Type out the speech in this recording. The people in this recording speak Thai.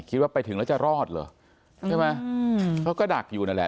คิดว่าไปถึงแล้วจะรอดเหรอใช่ไหมเขาก็ดักอยู่นั่นแหละ